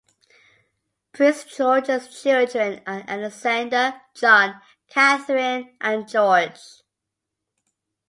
Prince George's children are Alexander, John, Katherin and George.